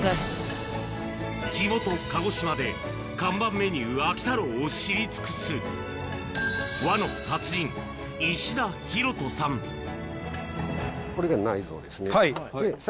地元、鹿児島で看板メニュー、秋太郎を知り尽くす、和の達人、これが内臓ですね。